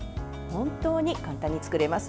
本当に簡単に作れます。